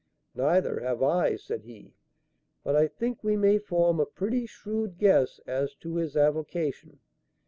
"Neither have I," said he; "but I think we may form a pretty shrewd guess as to his avocation.